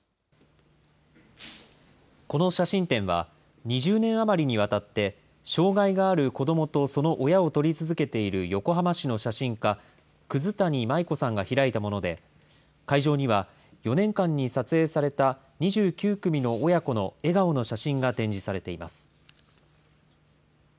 この写真展は、２０年余りにわたって障害がある子どもとその親を撮り続けている横浜市の写真家、葛谷舞子さんが開いたもので、会場には４年間に撮影された２９組の親子の笑顔の写真が展示されています。